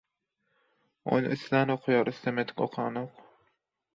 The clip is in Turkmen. Ony islän okaýar, islemedik okanok.